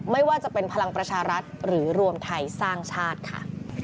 ไม่ว่าจะเป็นพลังประชารัฐหรือรวมไทยสร้างชาติค่ะ